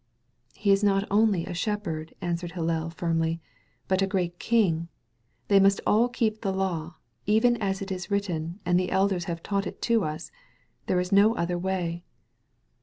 "He is not only a Shepherd," answered Hillel firmly, "but a great King. They must all keep the law, even as it is written and as the elders have tau^t it to us. There is no other way."